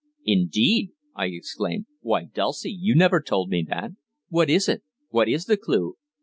"Indeed?" I exclaimed. "Why, Dulcie, you never told me. What is it? What is the clue?"